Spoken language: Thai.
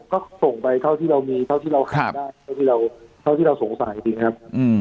เราก็ส่งไปเท่าที่เรามีเท่าที่เราขายได้เท่าที่เราสงสัยนะครับ